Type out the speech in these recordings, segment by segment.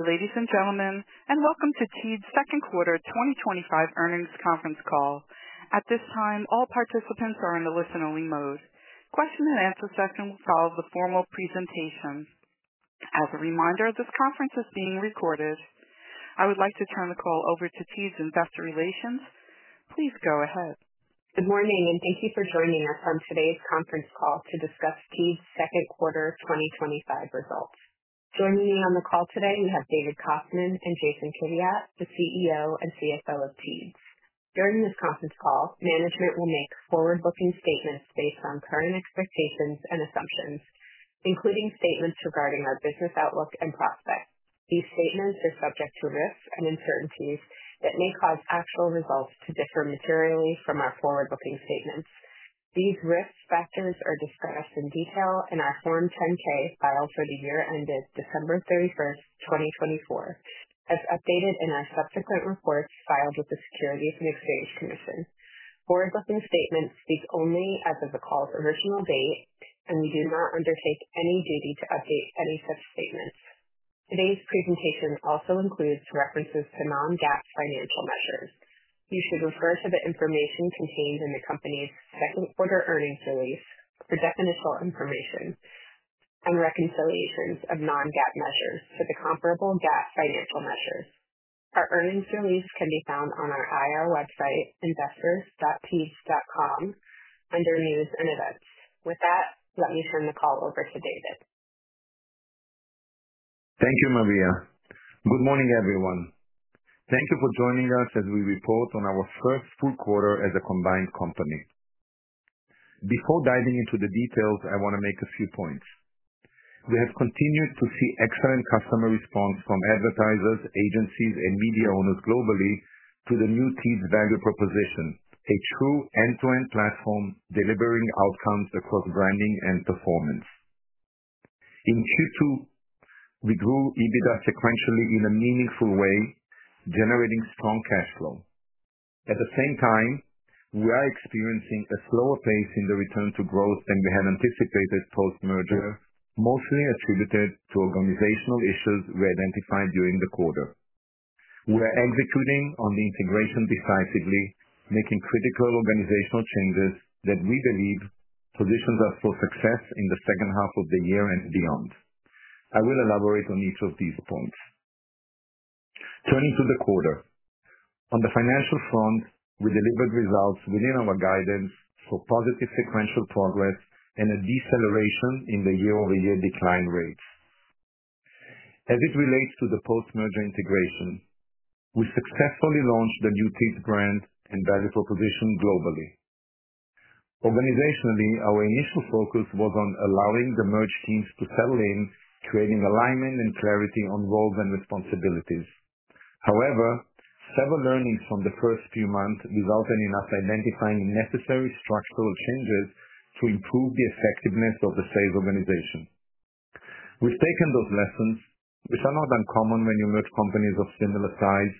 Ladies and gentlemen, welcome to Teads' Second Quarter 2025 Earnings Conference Call. At this time, all participants are in the listen-only mode. A question-and-answer session will follow the formal presentations. As a reminder, this conference is being recorded. I would like to turn the call over to Teads' investor relations. Please go ahead. Good morning and thank you for joining us on today's conference call to discuss Teads' second quarter 2025 results. Joining me on the call today, you have David Kostman and Jason Siviak, the CEO and CFO of Teads. During this conference call, management will make forward-looking statements based on current expectations and assumptions, including statements regarding our business outlook and prospects. These statements are subject to risks and uncertainties that may cause actual results to differ materially from our forward-looking statements. These risk factors are discussed in detail in our Form 10-K filed for the year ended December 31, 2024, as updated in our subsequent reports filed with the Securities and Exchange Commission. Forward-looking statements speak only as of the call's original date, and we do not undertake any duty to update any such statements. Today's presentation also includes references to non-GAAP financial measures. You should refer to the information contained in the company's second quarter earnings release for definitional information and reconciliations of non-GAAP measures with the comparable GAAP financial measures. Our earnings release can be found on our IR website, investors.teads.com, under News and Events. With that, let me turn the call over to David. Thank you, Maria. Good morning, everyone. Thank you for joining us as we report on our first full quarter as a combined company. Before diving into the details, I want to make a few points. We have continued to see excellent customer response from advertisers, agencies, and media owners globally through the new Teads value proposition, a true end-to-end platform delivering outcomes across branding and performance. In Q2, we grew EBITDA sequentially in a meaningful way, generating strong cash flow. At the same time, we are experiencing a slower pace in the return to growth than we had anticipated post-merger, mostly attributed to organizational issues we identified during the quarter. We are executing on the integration decisively, making critical organizational changes that we believe positions us for success in the second half of the year and beyond. I will elaborate on each of these points. Turning to the quarter, on the financial front, we delivered results within our guidance for positive sequential progress and a deceleration in the year-over-year decline rates. As it relates to the post-merger integration, we successfully launched the new Teads brand and value proposition globally. Organizationally, our initial focus was on allowing the merged teams to settle in, creating alignment and clarity on roles and responsibilities. However, several learnings from the first few months resulted in us identifying necessary structural changes to improve the effectiveness of the sales organization. We've taken those lessons, which are not uncommon when you merge companies of similar size,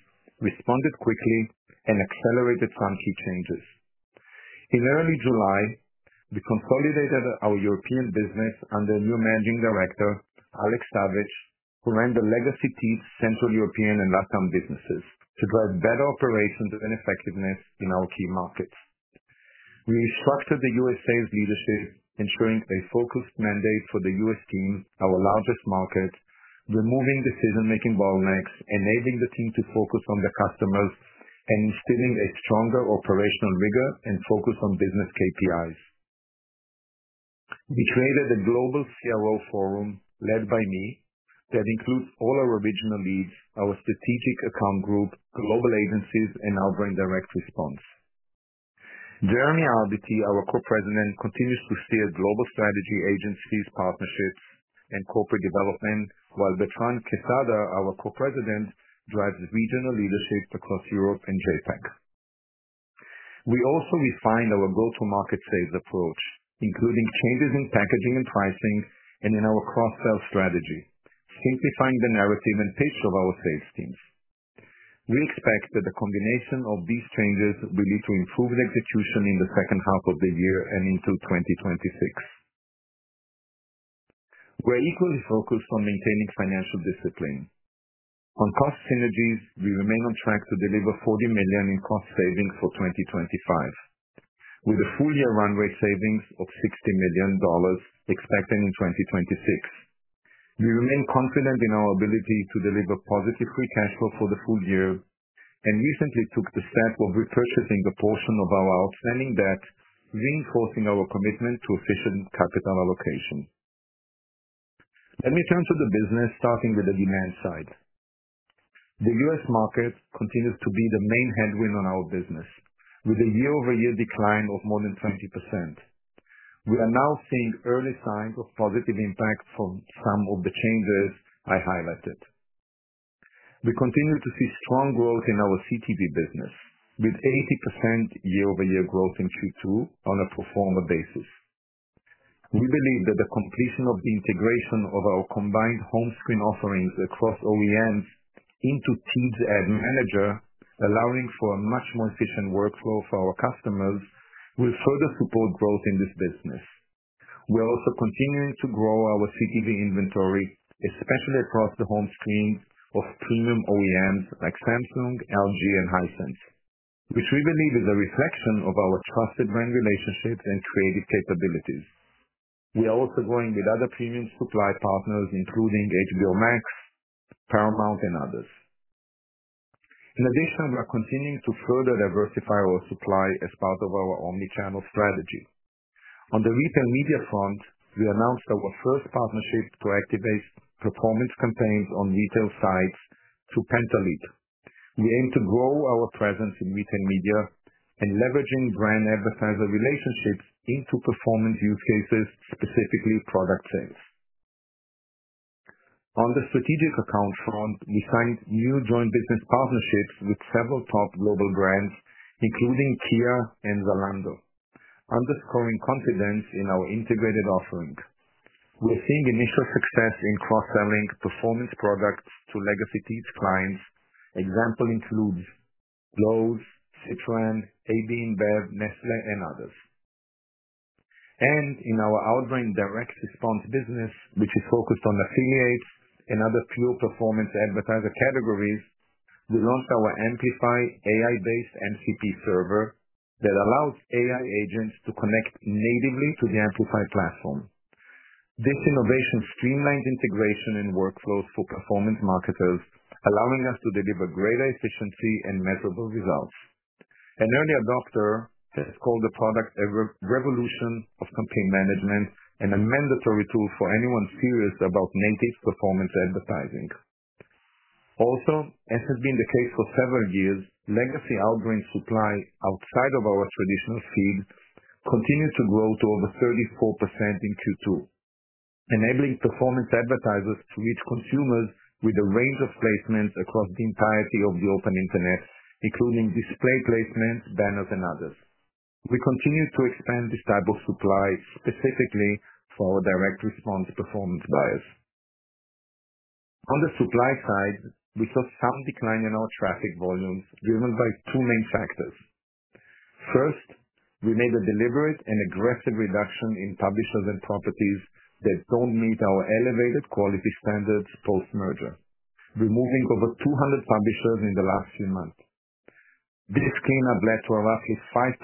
responded quickly, and accelerated some key changes. In early July, we consolidated our European business under a new Managing Director, Alex Savage, who ran the legacy Teads Central European and LATAM businesses to drive better operations and effectiveness in our key markets. We restructured the U.S. sales leadership, ensuring a focused mandate for the U.S. team, our largest market, removing decision-making bottlenecks, enabling the team to focus on the customers, and instilling a stronger operational rigor and focus on business KPIs. We created a global CRO forum led by me that includes all our regional leads, our strategic account group, global agencies, and our direct response. Jeremy Arbity, our Co-President, continues to steer global strategy agencies, partnerships, and corporate development, while Bertrand Quesada, our Co-President, drives regional leaderships across Europe and Japan. We also refined our go-to-market sales approach, including changes in packaging and pricing and in our cross-sell strategy, simplifying the narrative and taste of our sales teams. We expect that the combination of these changes will lead to improved execution in the second half of the year and into 2026. We're equally focused on maintaining financial discipline. On cost synergies, we remain on track to deliver $40 million in cost savings for 2025, with a full-year run rate savings of $60 million expected in 2026. We remain confident in our ability to deliver positive free cash flow for the full year and recently took the step of repurchasing a portion of our outstanding debt, reinforcing our commitment to efficient capital allocation. Let me turn to the business, starting with the demand side. The U.S. market continues to be the main headwind on our business, with a year-over-year decline of more than 20%. We are now seeing early signs of positive impact from some of the changes I highlighted. We continue to see strong growth in our CTV business, with 80% year-over-year growth in Q2 on a pro forma basis. We believe that the completion of the integration of our combined home screen offerings across OEMs into Teads Ad Manager, allowing for a much more efficient workflow for our customers, will further support growth in this business. We're also continuing to grow our CTV inventory, especially across the home screens of premium OEMs like Samsung, LG, and Hisense, which we believe is a reflection of our trusted brand relationships and creative capabilities. We are also growing with other premium supply partners, including HBO Max, Paramount, and others. In addition, we are continuing to further diversify our supply as part of our omnichannel strategy. On the retail media front, we announced our first partnership to activate performance campaigns on retail sites through [Pentelead]. We aim to grow our presence in retail media and leveraging brand advertiser relationships into performance use cases, specifically product sales. On the strategic accounts front, we signed new joint business partnerships with several top global brands, including Kia and Zalando, underscoring confidence in our integrated offering. We're seeing initial success in cross-selling performance products to legacy Teads clients. Example includes Lowe's, Switzerland, AD&B, Nestlé, and others. In our outgoing direct response business, which is focused on affiliates and other pure performance advertiser categories, we launched our Amplify AI-based MCP server that allows AI agents to connect natively to the Amplify platform. This innovation streamlines integration and workflows for performance marketers, allowing us to deliver greater efficiency and measurable results. An early adopter has called the product a revolution of campaign management and a mandatory tool for anyone serious about native performance advertising. Also, as has been the case for several years, legacy outgoing supply outside of our traditional feed continued to grow to over 34% in Q2, enabling performance advertisers to reach consumers with a range of placements across the entirety of the open internet, including display placements, banners, and others. We continue to expand this type of supply specifically for our direct response performance buyers. On the supply side, we saw some decline in our traffic volumes driven by two main factors. First, we made a deliberate and aggressive reduction in publishers and properties that don't meet our elevated quality standards post-merger, removing over 200 publishers in the last few months. This cleanup led to a roughly 5%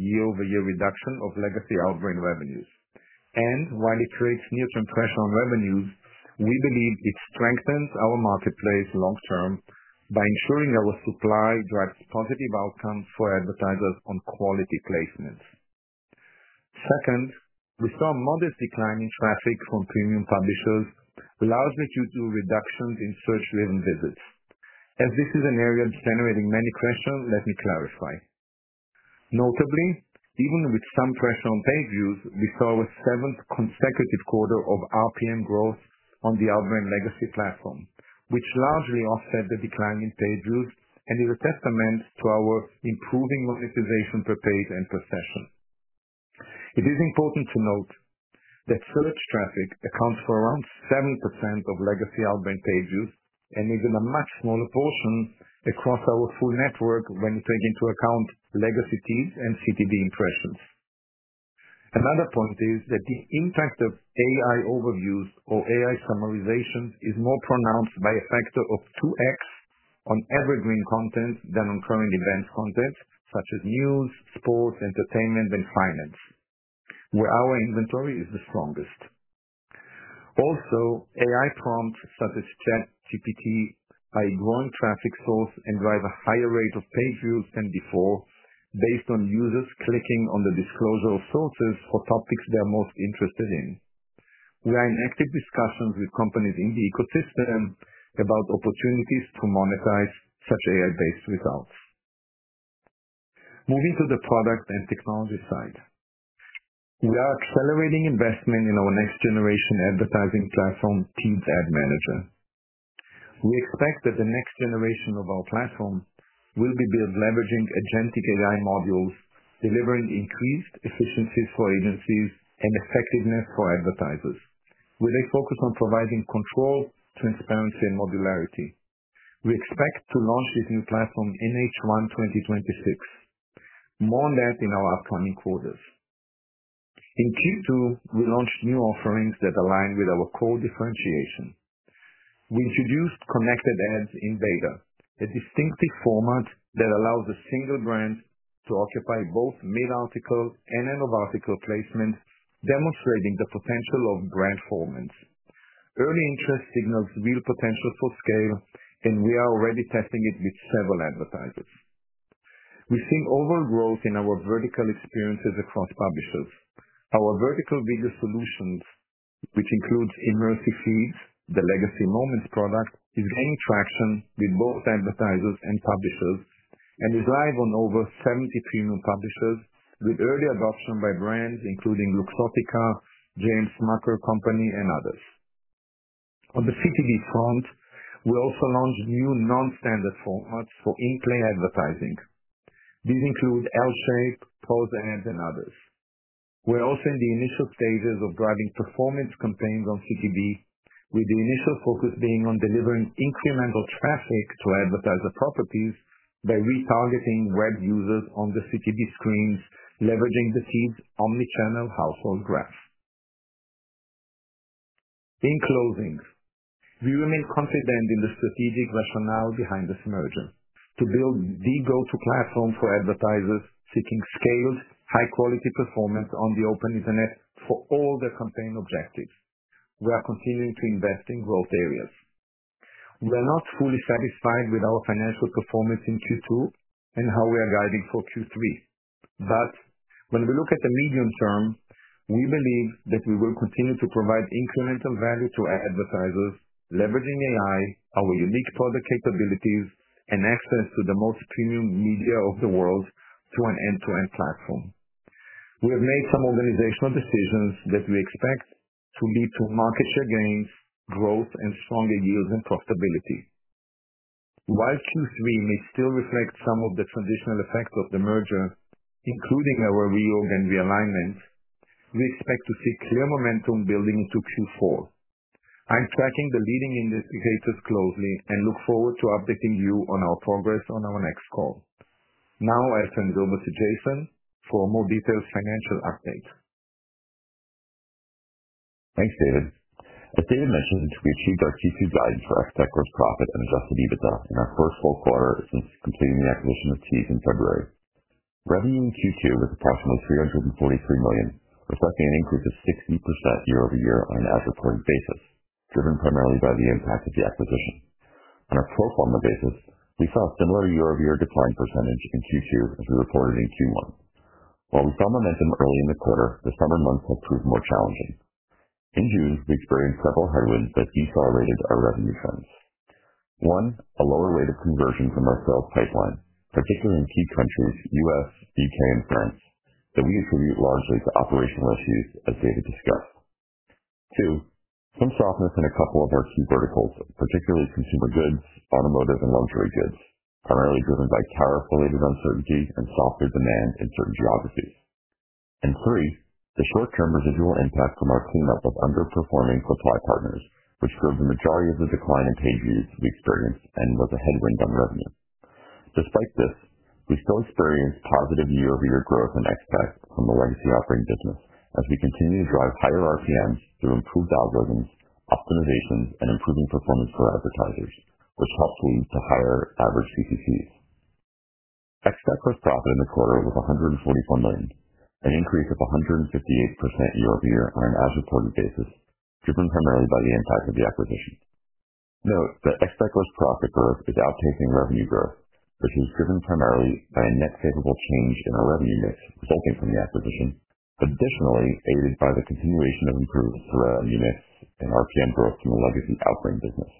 year-over-year reduction of legacy outgoing revenues. While it creates new compress on revenues, we believe it strengthens our marketplace long-term by ensuring our supply drives positive outcomes for advertisers on quality placements. Second, we saw a modest decline in traffic from premium publishers, with a larger Q2 reduction in search-driven visits. As this is an area that's generating many questions, let me clarify. Notably, even with some pressure on page views, we saw a seventh consecutive quarter of RPM growth on the outgoing legacy platform, which largely offset the decline in page views and is a testament to our improving monetization per page and per session. It is important to note that search traffic accounts for around 70% of legacy outgoing page views and is a much smaller portion across our full network when you take into account legacy teams and CTV impressions. Another point is that the impact of AI overviews or AI summarizations is more pronounced by a factor of 2x on evergreen content than on current events content, such as news, sports, entertainment, and finance, where our inventory is the strongest. Also, AI prompts such as ChatGPT are a growing traffic source and drive a higher rate of page views than before based on users clicking on the disclosure of sources or topics they're most interested in. We are in active discussions with companies in the ecosystem about opportunities to monetize such AI-based results. Moving to the product and technology side, we are accelerating investment in our next-generation advertising platform, Teads Ad Manager. We expect that the next generation of our platform will be built leveraging agentic AI modules, delivering increased efficiencies for agencies and effectiveness for advertisers, with a focus on providing control, transparency, and modularity. We expect to launch this new platform in H1 2026. More on that in our upcoming quarters. In Q2, we launched new offerings that align with our core differentiation. We introduced connected ads in beta, a distinctive format that allows a single brand to occupy both mid-article and end-of-article placement, demonstrating the potential of brand formants. Early interest signals real potential for scale, and we are already testing it with several advertisers. We're seeing overall growth in our vertical experiences across publishers. Our vertical video solutions, which includes immersive feeds, the legacy Moments product, is gaining traction with both advertisers and publishers and is live on over 70 premium publishers with early adoption by brands including Lukotka, James Mucker Company, and others. On the CTV front, we also launched new non-standard formats for in-play advertising. These include L-save, pause ads, and others. We're also in the initial stages of driving performance campaigns on CTV, with the initial focus being on delivering incremental traffic to advertiser properties by retargeting web users on the CTV screens, leveraging the Teads omnichannel household graph. In closing, we remain confident in the strategic rationale behind this merger to build the go-to platform for advertisers seeking scaled, high-quality performance on the open internet for all their campaign objectives. We are continuing to invest in growth areas. We are not fully satisfied with our financial performance in Q2 and how we are guiding for Q3. When we look at the medium term, we believe that we will continue to provide incremental value to our advertisers, leveraging AI, our unique product capabilities, and access to the most premium media of the world through an end-to-end platform. We have made some organizational decisions that we expect to lead to market share gains, growth, and stronger yields and profitability. While Q3 may still reflect some of the transitional effects of the merger, including our reorg and realignment, we expect to see clear momentum building into Q4. I'm tracking the leading indicators closely and look forward to updating you on our progress on our next call. Now, I'll turn it over to Jason for a more detailed financial update. Thanks, David. As David mentioned, we achieved our Q2 guidance for our sector of profits and roughly needed to document our first full quarter since completing the acquisition of Teads Holding Co. in February. Revenue in Q2 was approximately $343 million, reflecting an increase of 60% year-over-year on an average reporting basis, driven primarily by the impact of the acquisition. On a pro forma basis, we saw a similar year-over-year decline percentage in Q2 as we reported in Q1. While we saw momentum early in the quarter, the summer months will prove more challenging. In June, we experienced several headwinds that decelerated our revenue trends. One, a lower rate of conversion from our sales pipeline, particularly in key countries, U.S., U.K., and France, that we attribute largely to operational issues, as David discussed. Two, some softness in a couple of our key verticals, particularly consumer goods, automotive, and luxury goods, primarily driven by cash-related uncertainty and softer demand in certain geographies. Three, the short-term residual impact from our cleanup of underperforming supply partners, which drove the majority of the decline in paid views we experienced and was a headwind on revenue. Despite this, we still experienced positive year-over-year growth in expense from the legacy operating business as we continue to drive higher RPM through improved algorithms, optimizations, and improving performance for advertisers, which helped lead to higher average CTCs. Expect gross profit in the quarter was $144 million, an increase of 158% year-over-year on an average reporting basis, driven primarily by the impact of the acquisition. Note that expect gross profit growth is outpacing revenue growth, which is driven primarily by a net capable change in our revenue mix resulting from the acquisition, additionally aided by the continuation of improvements to revenue mix and RPM growth from the legacy outgoing business.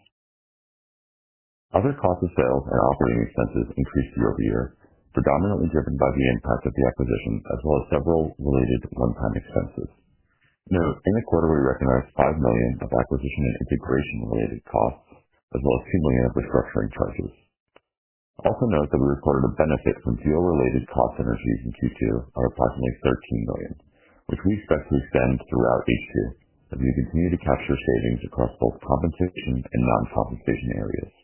Other cost of sales and operating expenses increased year-over-year, predominantly driven by the impact of the acquisition as well as several related to one-time expenses. In the quarter, we recognized $5 million of acquisition and integration-related costs, as well as $2 million of restructuring charges. Also note that we recorded a benefit from fuel-related cost synergies in Q2 of approximately $13 million, which we expect to extend throughout Q2 as we continue to capture savings across both compensation and non-compensation areas.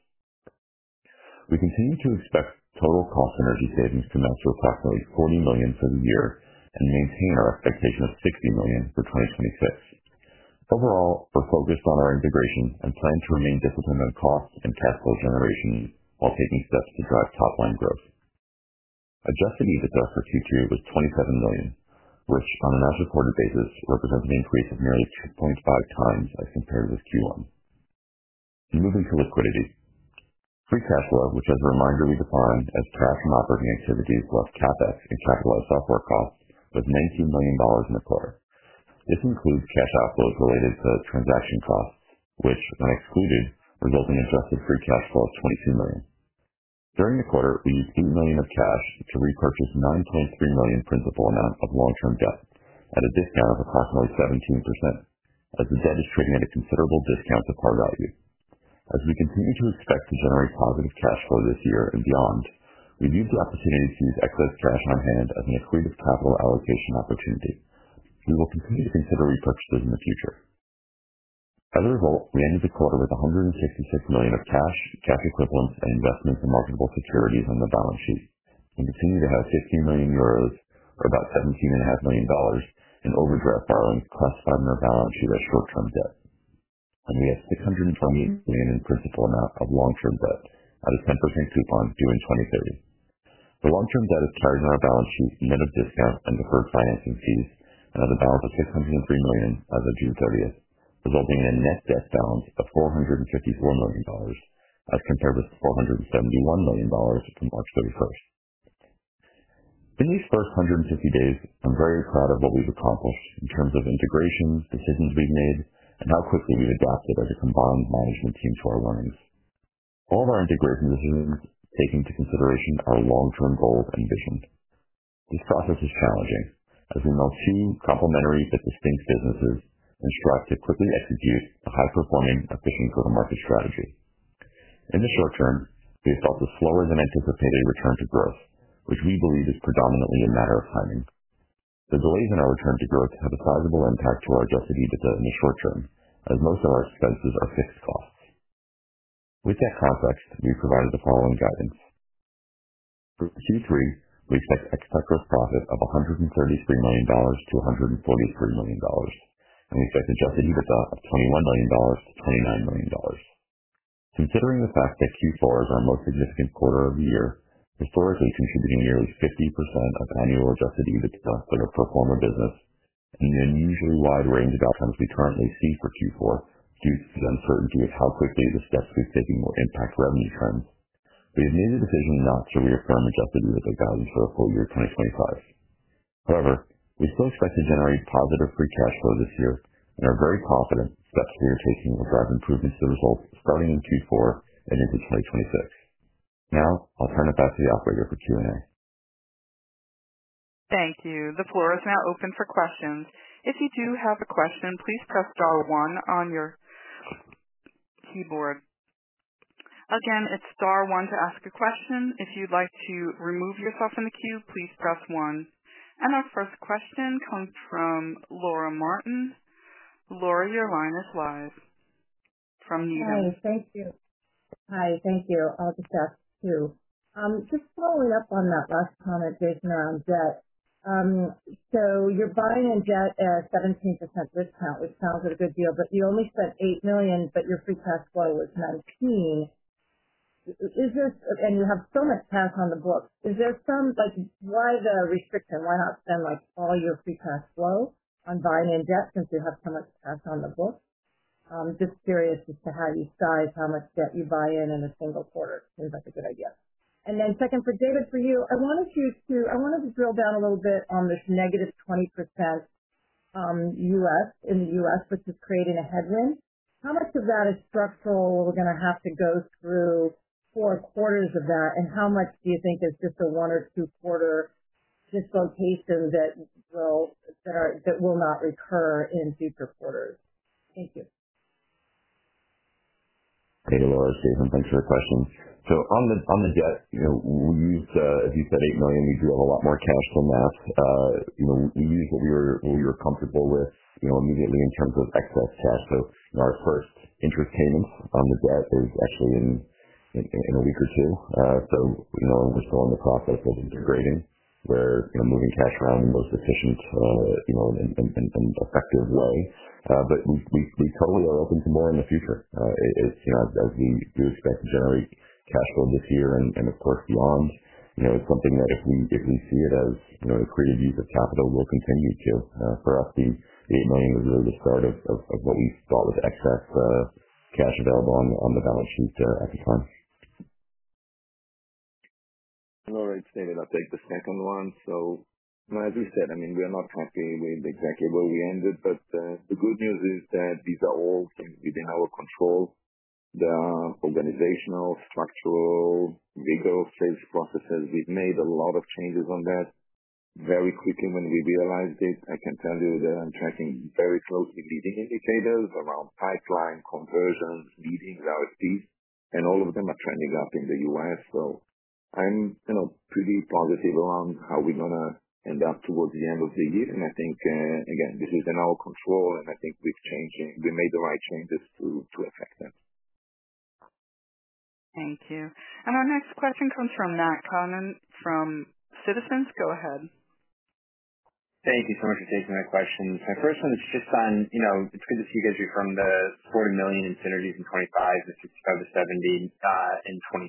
We continue to expect total cost synergy savings to amount to approximately $40 million for the year and maintain our expectation of $60 million for 2026. Overall, we're focused on our integration and plan to remain disciplined on cost and cash flow generation while taking steps to drive top-line growth. Adjusted EBITDA for Q2 was $27 million, which on an average reported basis represents an increase of nearly 6.5 times as compared with Q1. Moving to liquidity, free cash flow, which as a reminder we define as cash from operating activities plus CapEx, is capitalized off work costs with $19 million in the quarter. This includes cash outflows related to transaction costs, which are not excluded, resulting in a drastic free cash flow of $22 million. During the quarter, we used $8 million of CapEx to repurchase $9.3 million principal amounts of long-term debt at a discount of approximately 17%, as the debt is trading at a considerable discount to par value. As we continue to expect to generate positive cash flow this year and beyond, we view the opportunity to use excess cash on hand as an exclusive capital allocation opportunity. We will continue to consider repurchases in the future. As a result, we ended the quarter with $166 million of CapEx, cash equivalents, and investments in marketable securities on the balance sheet. We continue to have 15 million euros, or about $17.5 million, in overdraft borrowings plus five more balance sheet of short-term debt. We have $628 million in principal amount of long-term debt at a 10% coupon due in 2030. The long-term debt is carried on our balance sheet in and of discount and deferred financing fees, and on the balance of $603 million as of June 30th, resulting in a net debt balance of $454 million as compared with $471 million from March 31st. In these first 150 days, I'm very proud of what we've accomplished in terms of integrations, decisions we've made, and how quickly we've adapted as a combined model to attune to our learnings. All of our integration decisions take into consideration our long-term goals and vision. This process is challenging as we melt two complementary but distinct businesses and strive to quickly execute a high-performing and efficient go-to-market strategy. In the short term, we've felt a slower than anticipated return to growth, which we believe is predominantly a matter of timing. The delays in our return to growth have a sizable impact to our adjusted EBITDA in the short term, as most of our expenses are fixed costs. With that context, we provided the following guidance. For Q3, we expect gross profit of $133 million-$143 million, and adjusted EBITDA of $21 million-$29 million. Considering the fact that Q4 is our most significant quarter of the year, historically contributing nearly 50% of annual adjusted EBITDA for the performer business and an unusually wide range of outcomes we currently see for Q4 due to the uncertainty of how quickly the steps we've taken will impact revenue trends, we've made a decision not to reaffirm adjusted EBITDA guidance for the full year 2025. However, we still expect to generate positive free cash flow this year and are very confident the steps we are taking will drive improvements to the results starting in Q4 and into 2026. Now, I'll turn it back to the operator for Q&A. Thank you. The floor is now open for questions. If you do have a question, please press star one on your keyboard. Again, it's star one to ask a question. If you'd like to remove yourself from the queue, please press one. Our first question comes from Laura Anne Martin. Laura, your line looks live from New York. Hi. Thank you. I'll just ask two. Just following up on that last comment, Jason, around debt. You're buying in debt at a 17% discount, which sounds like a good deal, but you only spent $8 million, but your free cash flow was $19 million. Is this, and you have so much cash on the book, is there some, like, why is that a restriction? Why not spend, like, all your free cash flow on buying in debt since you have so much cash on the book? Just curious as to how you size how much debt you buy in in a single quarter. It seems like a good idea. Second, for David, for you, I wanted to drill down a little bit on this -20%, U.S. in the U.S., which is creating a headwind. How much of that is structural? We're going to have to go through four quarters of that, and how much do you think is just a one or two quarter dislocation that will not recur in future quarters? Thank you. Thank you, Laura. Jason, thanks for your question. On the debt, we've said, as you said, $8 million. We drew a lot more cash from that. Our first interest payment on the debt is actually in a week or two. We no longer fill in the closet of building integrating where, you know, moving cash around in the most efficient environment. We do expect to generate cash flow this year. Of course, loan, you know, it's something that if we see it as a creative use of capital, we'll continue to. For us, the $8 million is really the start of what we thought was excess cash available on the balance sheet at the time. All right, David, I'll take the second one. As we said, we are not confident with exactly where we ended, but the good news is that these are all things within our control. The organizational, structural, legal, strategic processes, we've made a lot of changes on that very quickly when we realized it. I can tell you that I'm tracking very close leading indicators around pipeline, conversions, leading RFPs, and all of them are trending up in the U.S. I'm pretty positive around how we're going to end up towards the end of the year. I think, again, this is in our control, and I think we've changed, we made the right changes to affect that. Thank you. Our next question comes from Matt Cohen from Citizens. Go ahead. Thank you so much for taking my questions. My first one is just on, you know, between the CTV from the $40 million synergies in 2025 and $65 million-$70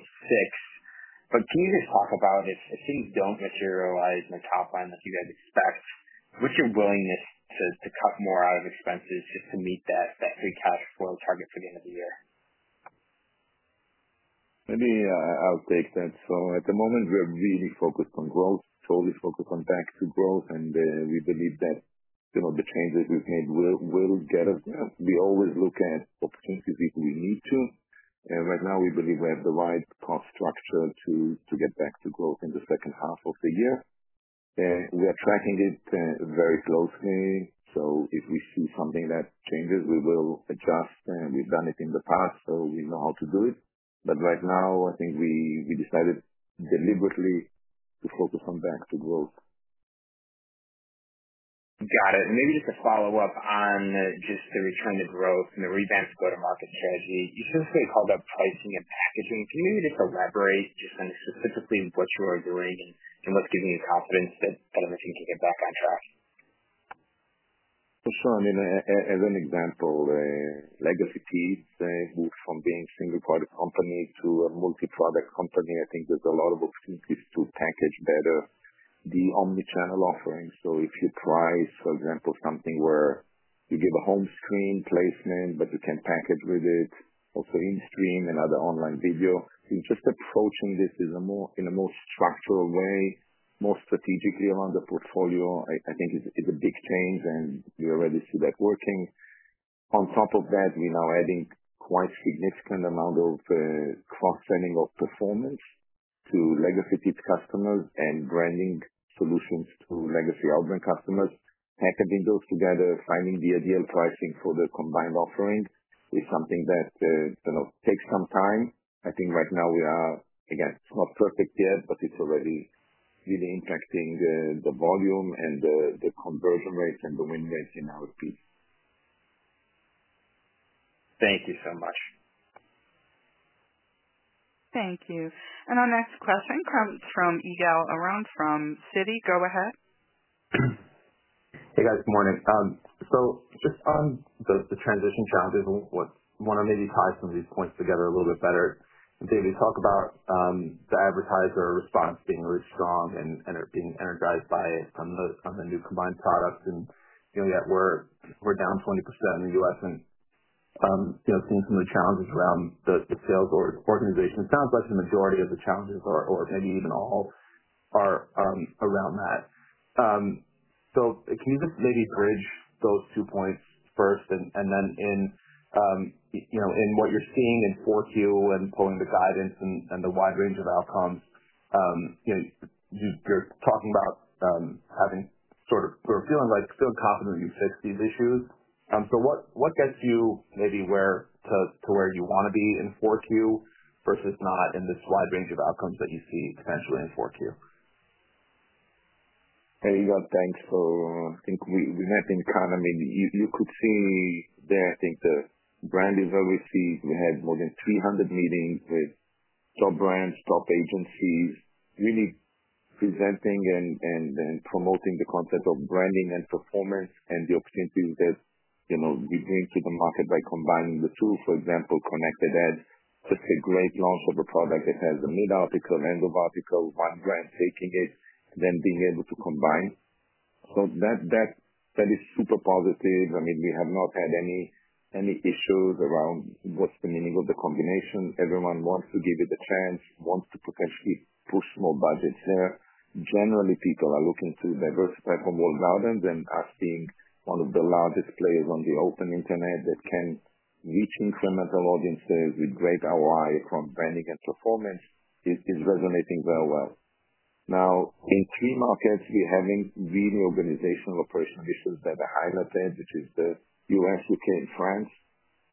million in 2026. Continue to talk about if things don't materialize in the top line that you guys expect, which your willingness to cut more out of expenses is to meet that free cash flow target for the end of the year. I'll take that. At the moment, we're really focused on growth. It's always focused on back to growth, and we believe that the changes we've made will get us there. We always look at opportunities if we need to. Right now, we believe we have the right cost structure to get back to growth in the second half of the year. We are tracking it very closely. If we see something that changes, we will adjust. We've done it in the past, so we know how to do it. Right now, I think we decided deliberately to focus on back to growth. Got it. Maybe just a follow-up on the return to growth and the revamped go-to-market strategy. You've been pretty well about pricing, and if you can continue to just elaborate on specifically what you are doing and what's giving you confidence that everything can get back on track. For sure. I mean, as an example, the legacy Teads, they moved from being a single-party company to a multi-product company. I think there's a lot of opportunities to package better the omnichannel offering. If you price, for example, something where you give a home screen placement, but you can package with it a home screen and other online video, just approaching this in a more structural way, more strategically around the portfolio, I think is a big change, and we already see that working. On top of that, we're now adding quite a significant amount of cross-selling of performance to legacy Teads customers and branding solutions to legacy outgoing customers. Packaging those together, finding the ideal pricing for the combined offering is something that takes some time. I think right now we are, again, it's not perfect yet, but it's already really impacting the volume and the conversion rates and the win rates in our team. Thank you so much. Thank you. Our next question comes from Ygal Arounian from Citigroup Inc. Go ahead. Hey guys, good morning. Just on the transition challenges and what's, I want to maybe tie some of these points together a little bit better. David, you talk about the advertiser response being really strong and it being energized by some of the new combined products. Dealing with that, we're down 20% in the U.S. and seeing some of the challenges around the sales organization. It sounds like the majority of the challenges are, or maybe even all are, around that. Can you just maybe bridge those two points first, and then in what you're seeing in 4Q and pulling the guidance and the wide range of outcomes, you're talking about having sort of, or feeling like you're feeling confident that you've fixed these issues. What gets you maybe to where you want to be in 4Q versus not in this wide range of outcomes that you see potentially in 4Q? Hey, Ygal, thanks for, I think we had been kind of maybe you could see there, I think the brand is very big. We had more than 300 meetings with top brands, top agencies, really presenting and promoting the concept of branding and performance and the opportunity that we bring to the market by combining the two. For example, connected ads puts a great long-form product that has a mid-article, end-of-article while brand taking it, then being able to combine. That is super positive. I mean, we have not had any issues around what's the meaning of the combination. Everyone wants to give it a chance, wants to potentially push more budgets here. Generally, people are looking through diverse platform walled gardens and asking one of the loudest players on the open internet that can reach incremental audiences with great ROI across branding and performance is resonating very well. Now, in key markets, we're having really organizational operational issues that are highlighted, which is the U.S., U.K., and France.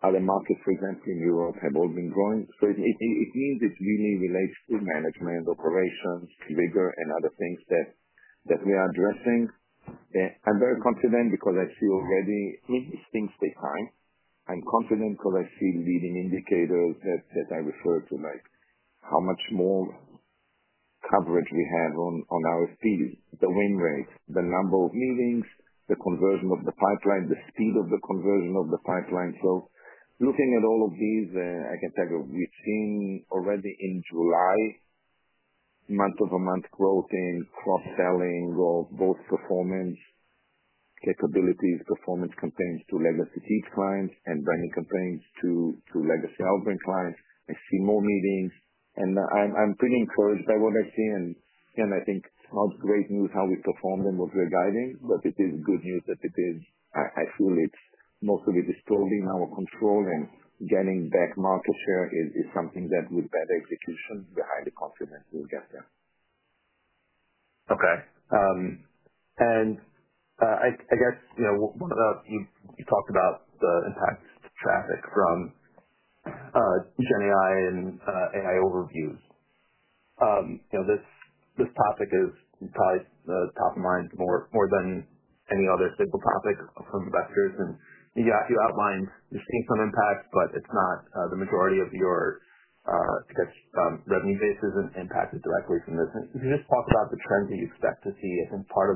Other markets present in Europe have all been growing. It means it's really related to team management, operations, rigor, and other things that we are addressing. I'm very confident because I see already things stay high. I'm confident because I see leading indicators that I refer to, like how much more coverage we have on RFP, the win rate, the number of meetings, the conversion of the pipeline, the speed of the conversion of the pipeline. Looking at all of these, I can tell you we've seen already in July, month-over-month growth in cross-selling of both performance capabilities, performance complaints to legacy Teads clients, and branding complaints to legacy outgoing clients. I see more meetings, and I'm putting forth by what I see. I think it's not great news how we performed and what we're guiding, but it is good news that it is, I feel it's not really disturbing our control, and getting that market share is something that with better execution behind the confidence we'll get there. Okay. I guess, you know, what about, you talked about the impacts to traffic from deep Gen AI and AI overviews. You know, this topic is probably top of mind more than any other big topic from investors. You outlined you're seeing some impacts, but it's not the majority of your, I guess, revenue basis and impacts it directly from this. Can you just talk about the trend that you expect to see? I think part of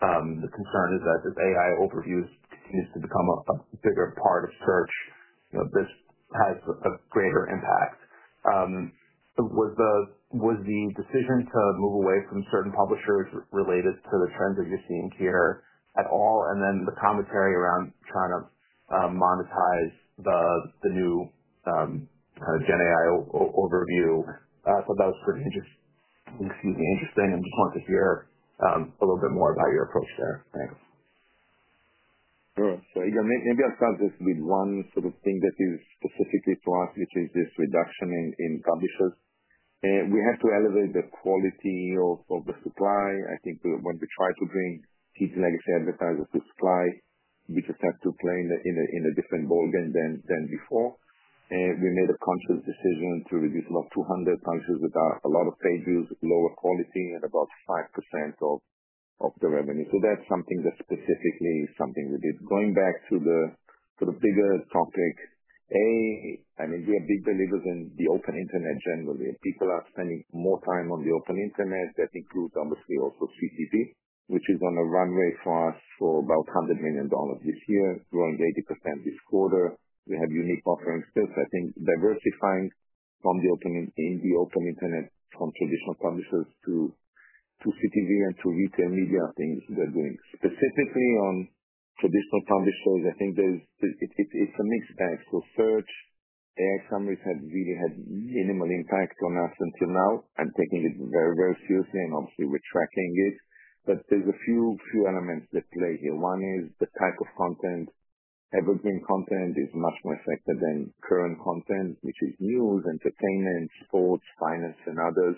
the concern is that this AI overviews needs to become a bigger part of search. You know, this has a greater impact. Was the decision to move away from certain publishers related to the trends that you're seeing here at all? The commentary around trying to monetize the new kind of Gen AI overview, I thought that was pretty interesting. Just wanted to hear a little bit more about your approach there. All right. Maybe I'll start with the one sort of thing that is specifically for us, which is this reduction in publishers. We have to elevate the quality of the supply. I think when we try to bring each legacy advertiser to supply, we just have to play in a different ball game than before. We made a conscious decision to reduce about 200 times without a lot of pages, lower quality, and about 5% of the revenue. That's something that specifically is something we did. Going back to the bigger topic, I mean, we are big believers in the open internet generally, and people are spending more time on the open internet. That includes obviously also CTV, which is going to runway for us for about $100 million this year, growing 80% this quarter. We have unique offerings, too. I think diversifying from the open internet from traditional publishers to CTV and to retail media, I think we're doing specifically on traditional publishers. I think it's a mixed bag. Search, AI summaries have really had minimal impact on us until now. I'm taking this very, very seriously, and obviously we're tracking it. There are a few elements that play here. One is the type of content. Evergreen content is much more effective than current content, which is news, entertainment, sports, finance, and others.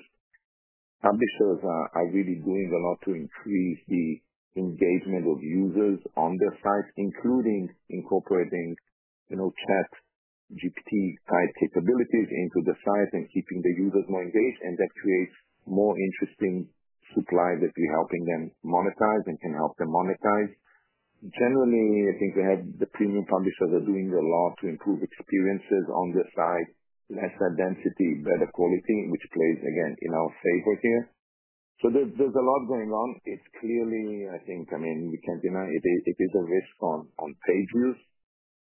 Publishers are really doing a lot to increase the engagement of users on their sites, including incorporating, you know, ChatGPT type capabilities into the site and keeping the users more engaged. That creates more interesting supply that we're helping them monetize and can help them monetize. Generally, I think the premium publishers are doing a lot to improve experiences on their site, lesser density, better quality, which plays, again, in our favor here. There's a lot going on. It's clearly, I think, I mean, we can't deny it. It is a risk on pages.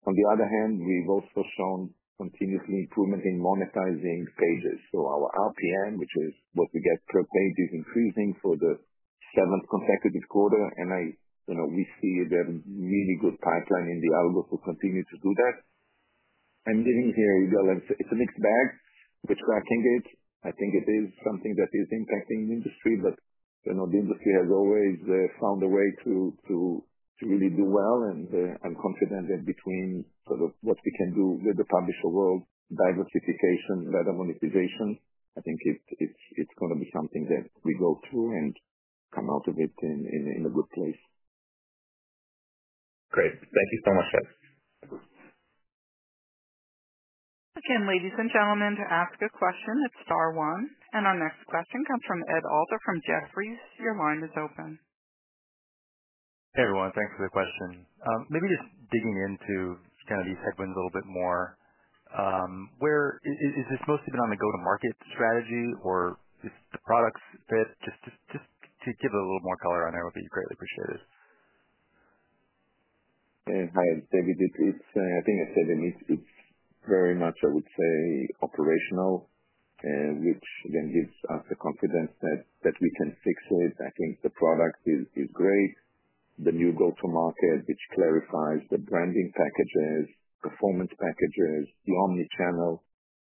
On the other hand, we've also shown continuous improvement in monetizing pages. Our RPM, which is what we get per page, is increasing for the seventh consecutive quarter. I see that really good pipeline in the algorithm to continue to do that. I'm leaving here, Ygal, and it's a mixed bag. We're tracking it. I think it is something that is impacting the industry, but the industry has always found a way to really do well. I'm confident that between what we can do with the publisher world, diversification, better monetization, I think it's going to be something that we go through and come out of it in a good place. Great. Thank you so much, guys. Okay, ladies and gentlemen, to ask a question, it's star one. Our next question comes from Ed Alder from Jefferies. Your line is open. Hey everyone, thanks for the question. Maybe just digging into kind of these segments a little bit more, where is this mostly been on the go-to-market strategy, or is the products fit? Just to give it a little more color on there, I would be greatly appreciated. Hi, David. I think for them, it's very much operational, which then gives us the confidence that we can fix it. I think the product is great. The new go-to-market, which clarifies the branding packages, performance packages, the omnichannel,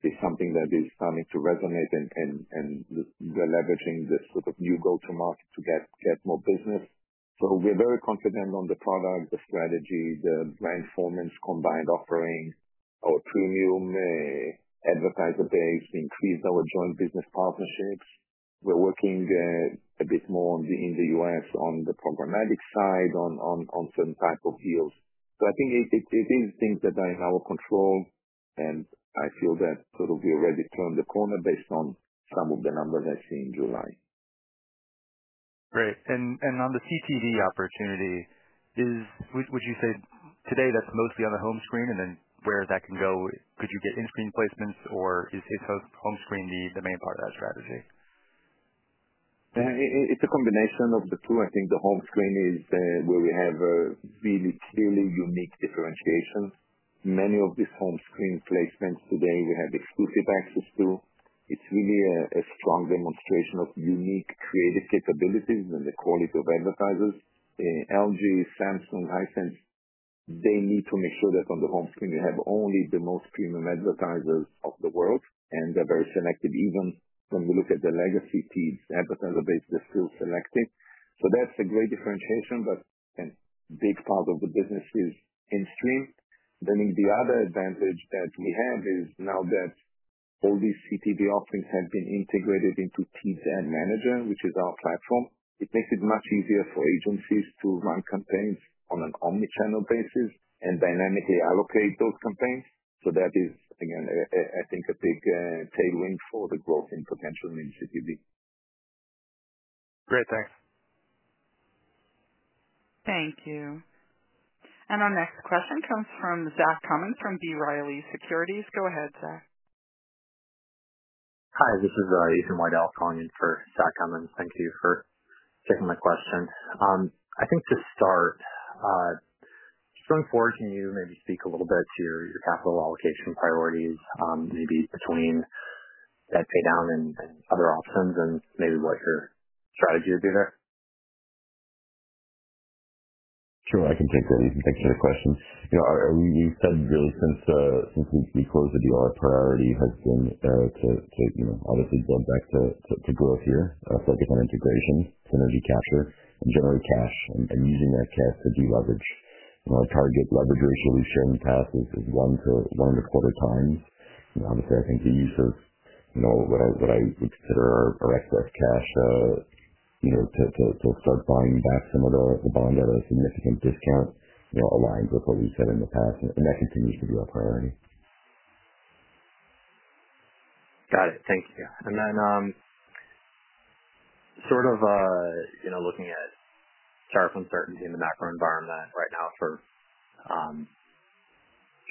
is something that is starting to resonate and we're leveraging this sort of new go-to-market to get more business. We're very confident on the product, the strategy, the brand performance, combined offering, our premium advertiser base, increase our joint business partnerships. We're working a bit more in the U.S. on the programmatic side on certain types of deals. I think it is things that are in our control, and I feel that it will be already turned the corner based on some of the numbers I see in July. Great. On the CTV opportunity, would you say today that's mostly on the home screen, and then where that can go, could you get in-screen placements, or is home screen the main part of that strategy? It's a combination of the two. I think the home screen is where we have a really extremely unique differentiation. Many of these home screen placements today we have exclusive access to. It's really a strong demonstration of unique creative capabilities and the quality of advertisers. LG, Samsung, Hisense, they need to make sure that on the home screen they have only the most premium advertisers of the world, and they're very selective. Even when we look at the legacy Teads, the advertiser base is still selective. That's a great differentiation, but a big part of the business is in-screen. I think the other advantage that we have is now that all these CTV offerings have been integrated into Teads Ad Manager, which is our platform. It makes it much easier for agencies to run campaigns on an omnichannel basis and dynamically allocate those campaigns. That is, again, I think a big tailwind for the growth in potential in CTV. Great. Thanks. Thank you. Our next question comes from Zach Cummins from B. Riley Securities. Go ahead, Zach. Hi, this is Ethan Widell on calling in for Zach Cummins. Thank you for taking my question. I think to start, just going forward, can you maybe speak a little bit to your capital allocation priorities, maybe between, I'd say, down and other options and maybe what your strategy would be there? Sure. I can take a look and think through your question. You know, we've said really since we closed the deal, our priority has been the resolution passes at one to one to quarter times. Honestly, I think it uses what I would consider our excess cash to start buying back some of those. It should be our priority. Got it. Thank you. Looking at sharp uncertainty in the macro environment right now for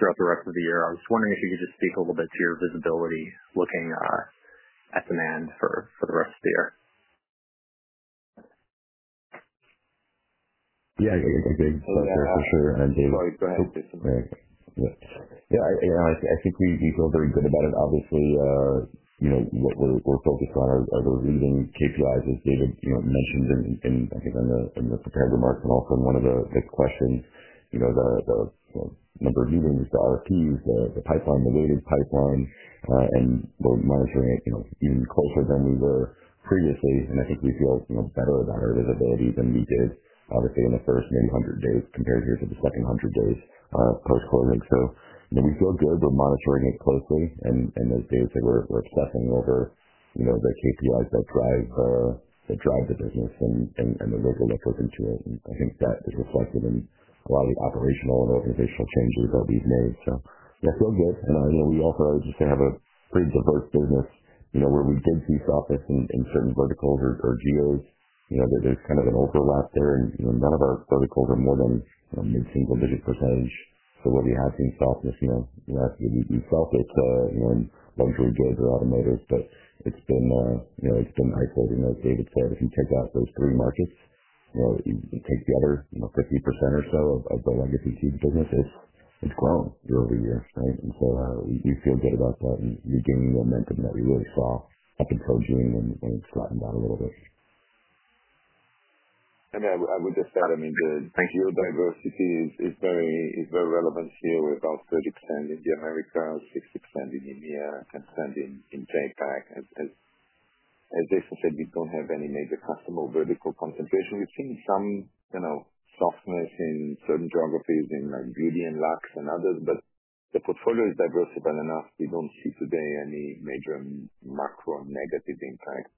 the rest of the year, I was just wondering if you could speak a little bit to your visibility looking at demand for the rest of the year. Yeah, I guess I'm Jason Siviak for sure. I'm David. Sorry, go ahead. Yeah, I think you feel very good about it. Obviously, what we're focused on are the leading KPIs, as David mentioned in the prepared remarks and also in one of the questions, the number of users, the RFPs, the pipeline, the weighted pipeline. We're discussing the KPIs that drive the business and the overall approach. I think that is reflected in a lot of that. Pretty diverse business, where we did see sharpness in certain verticals or geos, where there's kind of an overlap there. None of our verticals are more than mid-single-digitpercentage of what we have here. We take the other 50% or so of the legacy Teads business has grown year-over-year, right? It's gotten down a little bit. I would just add, the diversity is very relevant here with also the 10% in Jamaica, 60% in India, 10% in JPAC. As Jason said, we don't have any major customer vertical concentration. We're seeing some sharpness in certain geographies in like VDN Labs and others, but the portfolio is diverse enough. We don't see today any major macro negative impact.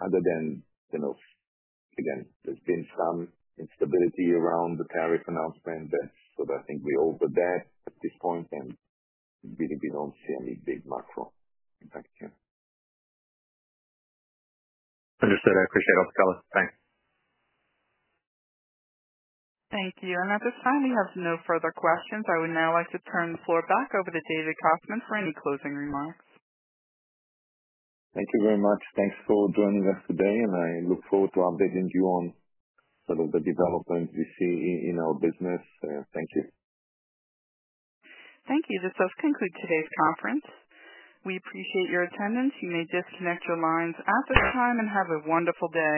Other than, you know, there's been some instability around the tariff announcement, but I think we're over that at this point, and we really don't see any big macro impact here. Understood. I appreciate it. Thanks. Thank you. At this time, we have no further questions. I would now like to turn the floor back over to David Kostman for any closing remarks. Thank you very much. Thanks for joining us today, and I look forward to updating you on some of the developments we see in our business. Thank you. Thank you. This does conclude today's conference. We appreciate your attendance. You may disconnect your lines at this time and have a wonderful day.